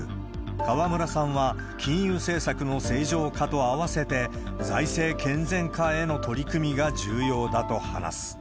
河村さんは、金融政策の正常化と併せて、財政健全化への取り組みが重要だと話す。